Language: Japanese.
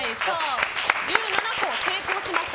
１７個、成功しました。